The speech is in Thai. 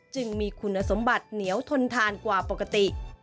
จึงมีคุณสมบัติเหนียวทนทานกว่าปกติ